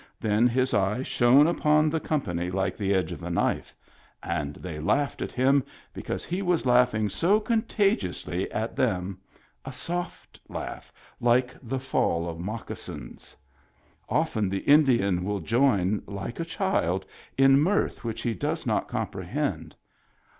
Then his eye shone upon the company like the edge of a knife — and they laughed at him because he was laughing so contagiously at them; a soft laugh, like the fall of moccasins. Often the Indian will join, like a child, in mirth which he does not comprehend.